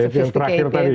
satu yang terakhir tadi